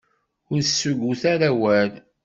Ur tessuggut ara awal.